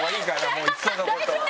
もういっそのこと。